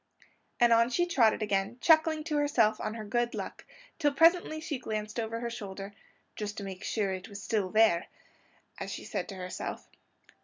_" And on she trotted again chuckling to herself on her good luck, till presently she glanced over her shoulder, "just to make sure it was there still," as she said to herself.